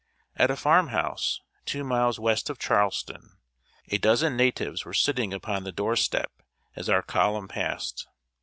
At a farm house, two miles west of Charleston, a dozen natives were sitting upon the door step as our column passed.